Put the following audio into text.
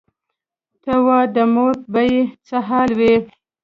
ته وا د مور به یې څه حال وي.